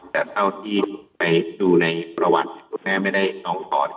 แต่เท่าที่ไปดูในประวัติคุณแม่ไม่ได้น้องถอด